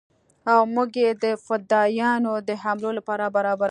او موږ يې د فدايانو د حملو لپاره برابرو.